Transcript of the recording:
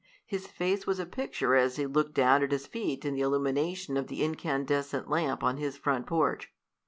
His face was a picture as he looked down at his feet in the illumination of the incandescent lamp on his front porch.